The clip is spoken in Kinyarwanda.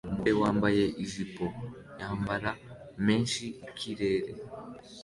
Umugore wambaye ijipo yamabara menshi ikirere